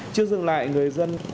chưa dừng lại người dân